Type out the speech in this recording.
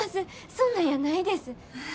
そんなんやないです。